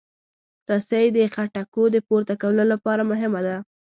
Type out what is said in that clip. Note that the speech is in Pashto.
رسۍ د خټکو د پورته کولو لپاره مهمه ده.